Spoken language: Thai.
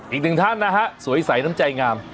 อีกหนึ่งท่านนะฮะสวยใสน้ำใจงาม